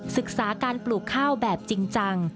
ศึกษาการปลูกข้าวแบบจริงจัง